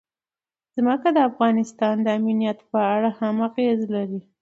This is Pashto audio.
ځمکه د افغانستان د امنیت په اړه هم اغېز لري.